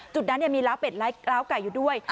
จุดนั้นเนี่ยมีล้าวเป็ดล้าวไก่อยู่ด้วย